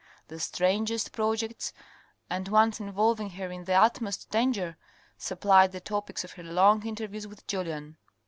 The strangest projects, and ones involving her in the utmost danger, supplied the topics of her long interviews with Julien.